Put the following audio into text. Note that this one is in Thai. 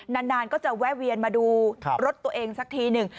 นานก็จะแวะเวียนมาดูรถตัวเองสักทีหนึ่ง